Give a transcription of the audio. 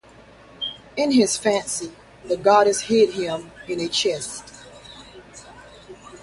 In his infancy, the goddess hid him in a chest.